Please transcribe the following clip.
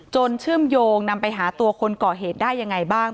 เชื่อมโยงนำไปหาตัวคนก่อเหตุได้ยังไงบ้าง